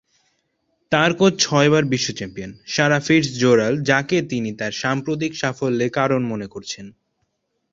তার কোচ ছয়বার বিশ্ব চ্যাম্পিয়ন, সারা ফিটস-জেরাল্ড, যাকে তিনি তার সাম্প্রতিক সাফল্যের কারণ মনে করেছেন।